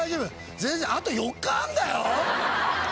全然、あと４日あるんだよ。